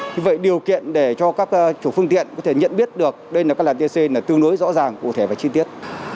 như vậy điều kiện để cho các chủ phương tiện có thể nhận biết được đây là các làn tc là tương đối rõ ràng cụ thể và chi tiết